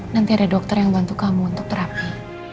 nanti ada dokter yang bantu kamu untuk terapi